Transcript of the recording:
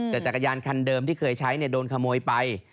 แต่จักรยานคันเดิมที่เคยใช้โดนขโมยไป